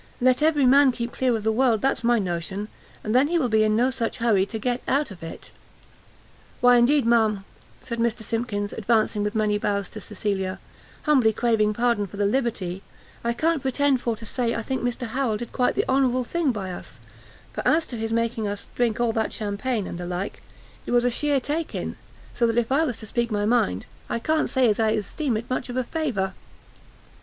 Let every man keep clear of the world, that's my notion, and then he will be in no such hurry to get out of it." "Why indeed, ma'am," said Mr Simkins, advancing with many bows to Cecilia, "humbly craving pardon for the liberty, I can't pretend for to say I think Mr Harrel did quite the honourable thing by us; for as to his making us drink all that champagne, and the like, it was a sheer take in, so that if I was to speak my mind, I can't say as I esteem it much of a favour."